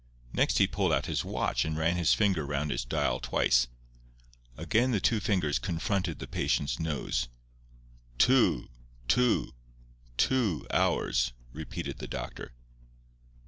Next he pulled out his watch and ran his finger round its dial twice. Again the two fingers confronted the patient's nose. "Two—two—two hours," repeated the doctor.